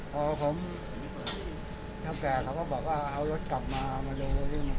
พอผมเท่าแก่เขาก็บอกว่าเอารถกลับมามาดูรถความร้อนเสีย